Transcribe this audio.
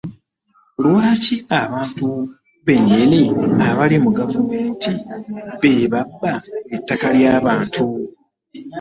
Lwaki abantu benyini abali mu gavumenti be babba ettaka ly'abantu?